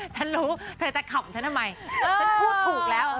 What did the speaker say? ฉันรู้เธอจะขำฉันทำไมฉันพูดถูกแล้ว